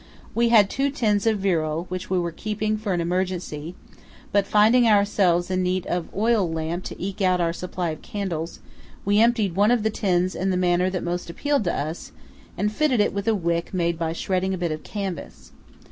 We had two tins of Virol, which we were keeping for an emergency; but, finding ourselves in need of an oil lamp to eke out our supply of candles, we emptied one of the tins in the manner that most appealed to us, and fitted it with a wick made by shredding a bit of canvas.